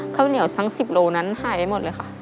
ข้าวเหนียวทั้ง๑๐โลนั้นหายไปหมดเลยค่ะ